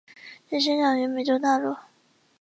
只生长于美洲大陆。